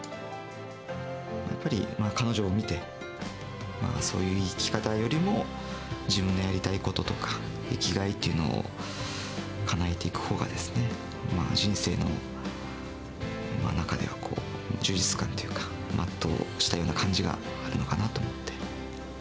やっぱり彼女を見て、そういう生き方よりも、自分がやりたいこととか、生きがいというのをかなえていくほうが、人生の中では、充実感というか、全うしたような感じがあるのかなと思って。